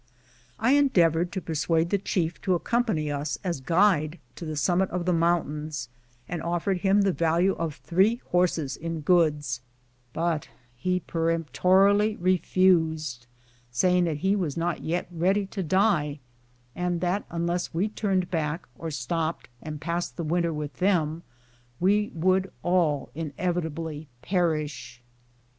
I endeavored to persuade the chief to accompany us as guide to the summit of the mountains, and offered him the value of three horses in goods, but he peremptorily re fused, saying that he was not yet ready to die, and that, un less we turned back, or stopped and passed the winter with them, we would all inevitably perish.